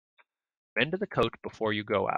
Mend the coat before you go out.